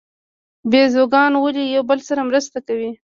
بیزوګان ولې یو بل سره مرسته کوي؟